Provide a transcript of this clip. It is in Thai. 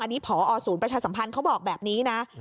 อันนี้พอศูนย์ประชาสัมพันธ์เขาบอกแบบนี้นะ